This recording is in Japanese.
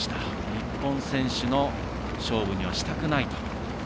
日本選手の勝負にはしたくないと。